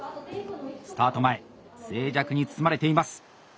スタート前静寂に包まれています。